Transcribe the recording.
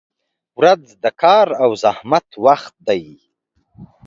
• ورځ د کار او زحمت وخت دی.